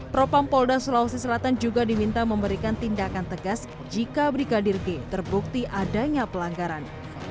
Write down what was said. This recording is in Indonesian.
barreskrim polri juga diminta memberikan tindakan tegas jika brigadir g terbukti adanya pelanggaran